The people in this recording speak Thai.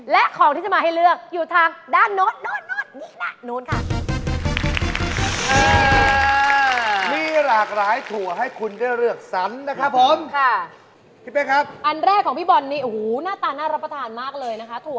และของที่จะมาให้เลือกอยู่ทางด้านโน้นนี่น่ะนู้นค่ะ